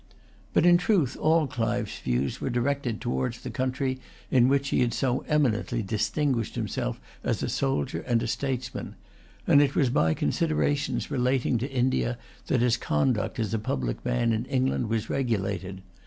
But in truth all Clive's views were directed towards the country in which he had so eminently distinguished himself as a soldier and a statesman; and it was by considerations relating to India that his conduct as a public man in England was regulated.